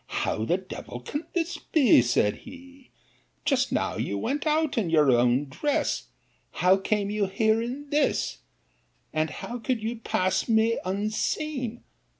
How the devil can this be? said he: just now you went out in your own dress! How came you here in this? and how could you pass me unseen?